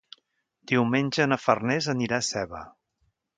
Diumenge na Farners anirà a Seva.